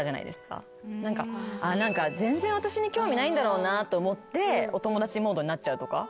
全然私に興味ないんだろうなと思ってお友達モードになっちゃうとか？